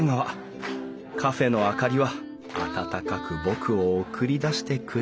カフェの明かりは温かく僕を送り出してくれたとさ。